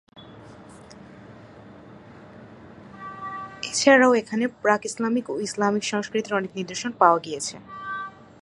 এছাড়াও এখানে আরবের প্রাক-ইসলামিক ও ইসলামিক সংস্কৃতির অনেক নিদর্শন পাওয়া গিয়েছে।